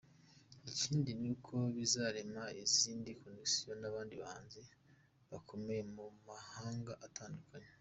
Ikindi ni uko bizarema izindi connections n'abandi bahanzi bakomeye bo mu mahanga atandukanye.